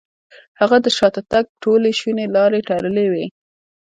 هغه د شاته تګ ټولې شونې لارې تړلې وې.